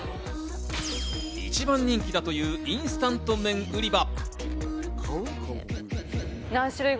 一番人気だというインスタント麺売り場。